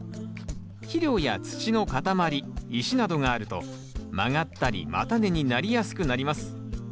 肥料や土の塊石などがあると曲がったり叉根になりやすくなります。